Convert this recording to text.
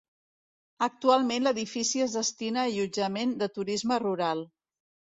Actualment l'edifici es destina a allotjament de turisme rural.